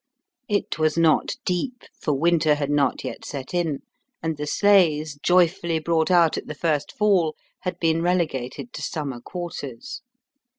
It was not deep, for winter had not yet set in, and the sleighs, joyfully brought out at the first fall, had been relegated to summer quarters.